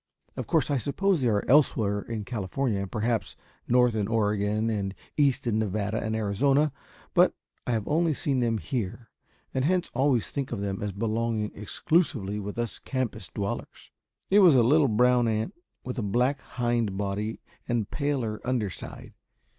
Of course I suppose they are elsewhere in California and perhaps north in Oregon and east in Nevada and Arizona, but I have only seen them here, and hence always think of them as belonging exclusively with us campus dwellers. It was a little brown ant with black hind body and paler under side.